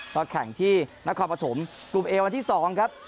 ตอนแข่งที่นักความประถมกลุ่มเอวันที่๒ครับ